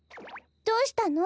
どうしたの？